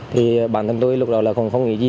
thì bản thân tôi lúc đó là không nghĩ gì